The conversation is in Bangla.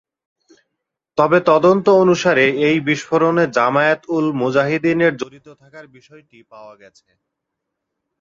তবে তদন্ত অনুসারে এই বিস্ফোরণে জামায়াত-উল-মুজাহিদীনের জড়িত থাকার বিষয়টি পাওয়া গেছে।